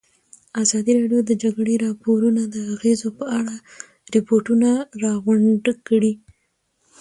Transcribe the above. ازادي راډیو د د جګړې راپورونه د اغېزو په اړه ریپوټونه راغونډ کړي.